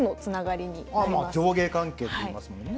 上下関係っていいますもんね。